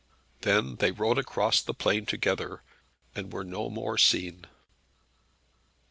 Then they rode across the plain together, and were no more seen.